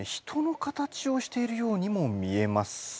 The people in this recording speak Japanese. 人の形をしているようにも見えます。